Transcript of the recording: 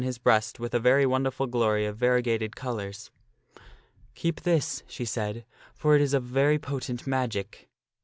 his breast with a very wonderful glory of variegated colors. " Keep this," she said, " for it is of very potent magic."